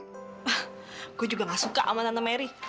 hah gue juga gak suka sama tante merry